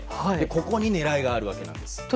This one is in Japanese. ここに狙いがあるわけです。